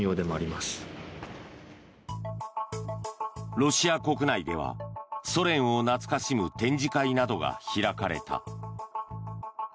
ロシア国内ではソ連を懐かしむ展示会などが開かれた。